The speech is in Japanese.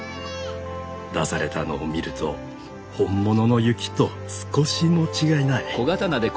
出されたのを見ると本物の雪と少しも違いない！